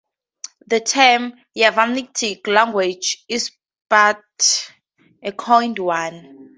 The term 'Yavanitic Language' is but a coined one.